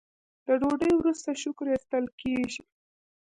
د ډوډۍ وروسته شکر ایستل کیږي.